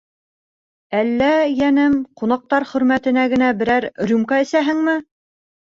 Әллә, йәнем, ҡунаҡтар хөрмәтенә генә берәр рюмка әсәһеңме?